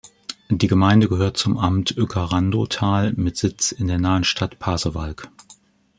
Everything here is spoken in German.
Die Gemeinde gehört zum Amt Uecker-Randow-Tal mit Sitz in der nahen Stadt Pasewalk.